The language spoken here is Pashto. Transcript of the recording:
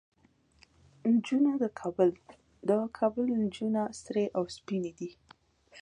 نجونه د کابل، د کابل نجونه سرې او سپينې دي